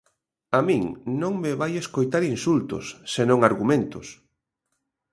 A min non me vai escoitar insultos, senón argumentos.